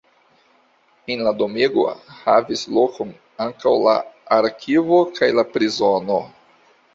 En la domego havis lokon ankaŭ la arkivo kaj la prizono.